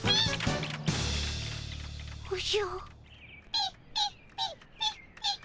ピッピッピッピッ。